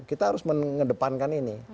kita harus mengedepankan ini